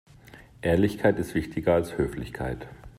Ehrlichkeit ist wichtiger als Höflichkeit.